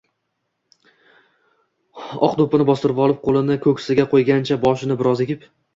Oq do‘ppini bostirvolib, qo‘lini ko‘ksiga qo‘ygancha, boshini biroz egib